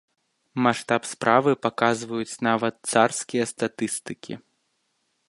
Маштаб справы паказваюць нават царскія статыстыкі.